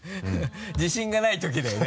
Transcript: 自信がないときだよね。